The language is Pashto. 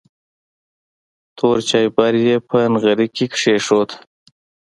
تور چایبر یې په نغري کې کېښود.